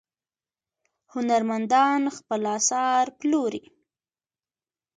هنرمندان خپل اثار پلوري.